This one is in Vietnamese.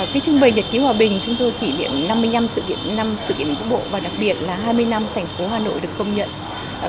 với trưng bày nhật ký hòa bình chúng tôi kỷ niệm năm mươi năm năm sự kiện vịnh bắc bộ và đặc biệt là hai mươi năm thành phố hà nội được công nhận